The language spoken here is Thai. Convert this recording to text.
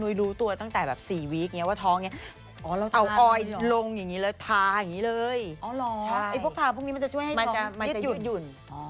เอ้ยพวกแผ่นพวกนี้มันจะช่วยให้ต้องมันจะยืดหยุ่นมันจะยืดหยุ่น